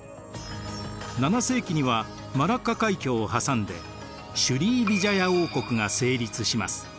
７世紀にはマラッカ海峡を挟んでシュリーヴィジャヤが王国が成立します。